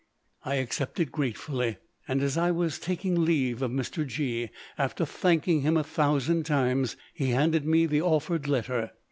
I accepted gratefully, and as I was taking leave of Mr. G——, after thanking him a thousand times, he handed me the offered letter.